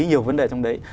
nhiều vấn đề trong đấy